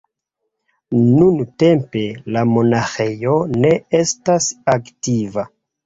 Nuntempe la monaĥejo ne estas aktiva.